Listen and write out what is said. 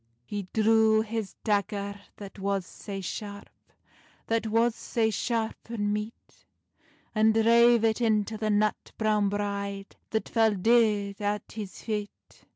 He drew his dagger that was sae sharp, That was sae sharp and meet, And drave it into the nut browne bride, That fell deid at his feit.